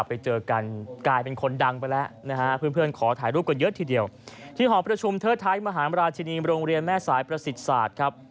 ไปแล้วนะฮะเพื่อนเพื่อนขอถ่ายรูปกันเยอะทีเดียวที่หอมประชุมเทอดท้ายมหาราชินีโรงเรียนแม่สายประสิทธิ์ศาสตร์ครับ